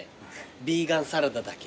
ヴィーガンサラダだけ。